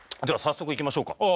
では早速いきましょうか。